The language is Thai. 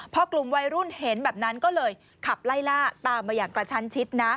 พอกลุ่มวัยรุ่นเห็นแบบนั้นก็เลยขับไล่ล่าตามมาอย่างกระชั้นชิดนะ